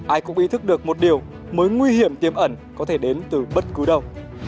ai cũng ý thức được một điều mới nguy hiểm tiêm ẩn có thể đến từ bất cứ đâu